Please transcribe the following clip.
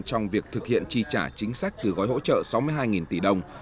trong việc thực hiện chi trả chính sách từ gói hỗ trợ sáu mươi hai tỷ đồng